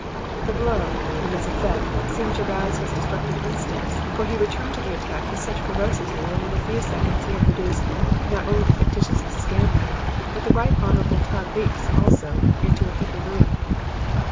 "The blow and its effect seemed to rouse his destructive instincts, for he returned to the attack with such ferocity that in a few seconds he had reduced, not only the factitious Mrs. Gamway, but the Right Honorable Todd Leeks also, to a heap of ruin.